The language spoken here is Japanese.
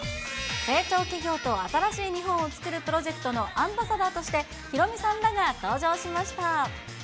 成長企業と新しい日本をつくるプロジェクトのアンバサダーとして、ヒロミさんらが登場しました。